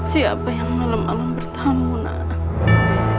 siapa yang malam malam bertamu anak